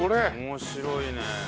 面白いね。